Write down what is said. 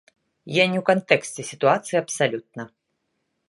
Я не ў кантэксце сітуацыі абсалютна.